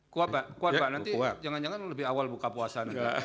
kuat pak kuatba nanti jangan jangan lebih awal buka puasa nanti